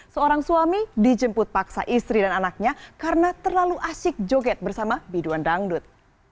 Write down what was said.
seorang suami dijemput paksa istri dan anaknya karena terlalu asik joget bersama biduan dangdut